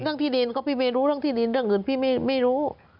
เรื่องที่ดินก็พี่เมย์รู้เรื่องที่ดินเรื่องอื่นพี่เมย์ไม่รู้